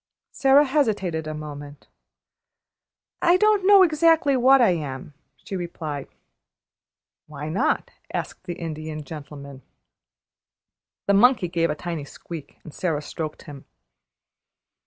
Sara hesitated a moment. "I don't know exactly what I am," she replied. "Why not?" asked the Indian Gentleman. The monkey gave a tiny squeak, and Sara stroked him.